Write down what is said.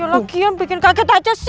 ya lagian bikin kaget aja sih